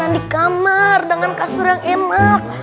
di kamar dengan kasur yang enak